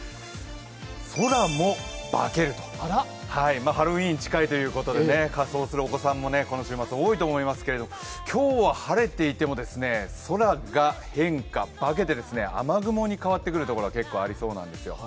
空も化ける、ハロウィーンが近いということで仮装するお子さんもこの週末多いと思いますけど、今日は晴れていても、空が変化、化けて雨雲に変わってくるところが結構ありそうなんですよ。